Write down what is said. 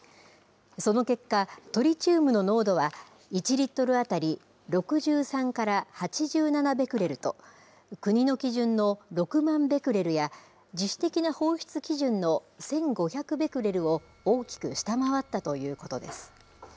その結果、トリチウムの濃度は１リットル当たり６３から８７ベクレルと国の基準の６万ベクレルや自主的な放出基準の１５００ベクレルを大きく下回ったということです。